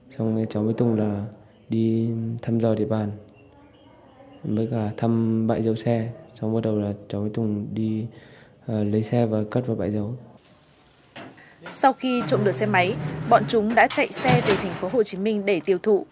sau khi trộm được xe máy bọn chúng đã chạy xe về thành phố hồ chí minh để tiêu thụ